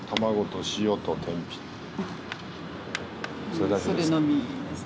それだけです。